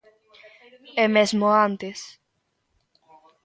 E mesmo antes.